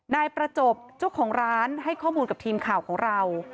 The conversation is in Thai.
นายประจบเจ้าของร้านให้ข้อมูลกับทีมข่าวของเรา